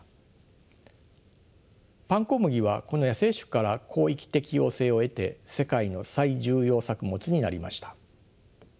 パンコムギはこの野生種から広域適応性を得て世界の最重要作物になりました。